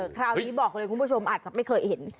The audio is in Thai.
คราวนี้บอกเลยคุณผู้ชมอาจจะไม่เคยเห็น